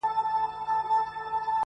په زرگونو حاضر سوي وه پوځونه .!